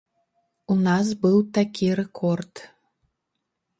У нас быў такі рэкорд.